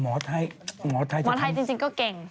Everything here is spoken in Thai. หมอไทยจริงก็เก่งโอ้โหเลยครับชาวโรชาฬิกาสาว